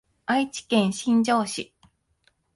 愛知県新城市